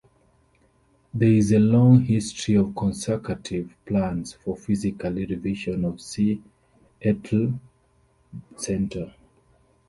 There is a long history of consecutive plans for physically revision of Seattle Center.